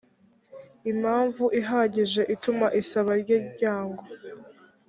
impamvu ihagije ituma isaba rye ryangwa